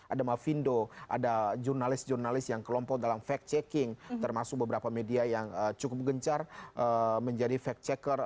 ada mavindo ada jurnalis jurnalis yang kelompok dalam fact checking termasuk beberapa media yang cukup gencar menjadi fact checker